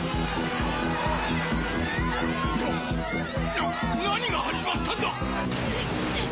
なっ何が始まったんだ